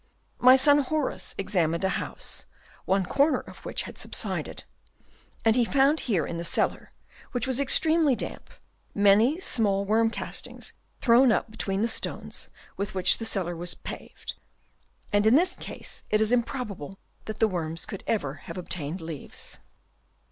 My son Horace examined a house, one corner of which had subsided; and he found here in the cellar, which was extremely damp, many small worm castings thrown up between the stones with which the cellar was paved ; and 108 HABITS OF WORMS. Chap. II. in this case it is improbable that the worms could ever have obtained leaves.